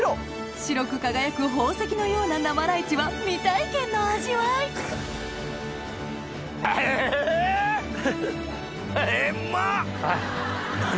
白く輝く宝石のような生ライチは未体験の味わい何？